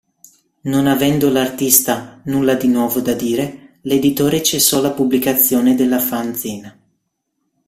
Non avendo l'artista "nulla di nuovo da dire", l'editore cessò la pubblicazione della "fanzine".